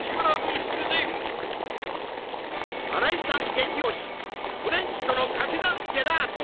激推しフレンチとのかけ算ジェラート